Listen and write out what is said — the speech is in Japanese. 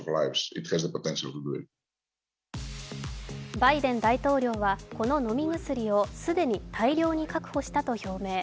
バイデン大統領はこの飲み薬を既に大量に確保したと表明。